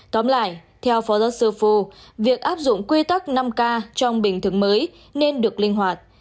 tóm lại theo phó giáo sư fu việc áp dụng quy tắc năm k trong bình thường mới nên được linh hoạt